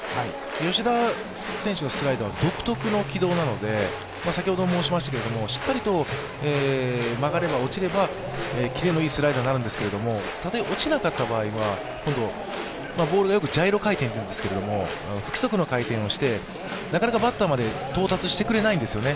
吉田選手のスライダーは独特の軌道なので、先ほども申しましたけどしっかりと曲がれば、落ちれば、キレのいいスライダーになるんですがたとえ落ちなかった場合はボールがよくジャイロ回転になるんですけど、不規則な回転をして、なかなかバッターまで到達してくれないんですよね。